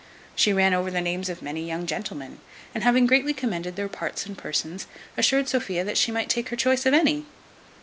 She ran over the names of many young gentlemen: and having greatly commended their parts and persons, assured Sophia that she might take her choice of any.